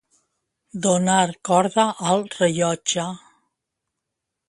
Donar corda al rellotge.